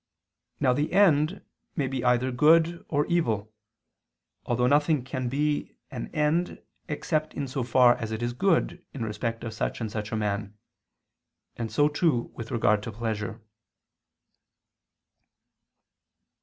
Now the end may be either good or evil; although nothing can be an end except in so far as it is good in respect of such and such a man: and so too with regard to pleasure.